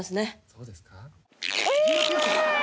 「そうですか？」